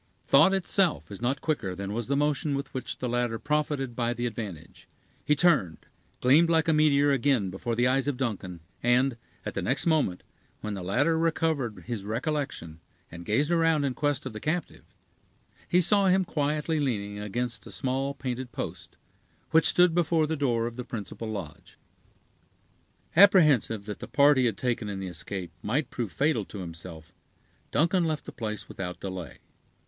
Thought itself is not quicker than was the motion with which the latter profited by the advantage; he turned, gleamed like a meteor again before the eyes of Duncan, and, at the next moment, when the latter recovered his recollection, and gazed around in quest of the captive, he saw him quietly leaning against a small painted post, which stood before the door of the principal lodge. Apprehensive that the part he had taken in the escape might prove fatal to himself, Duncan left the place without delay.